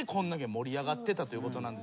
盛り上がってたということなんですけども。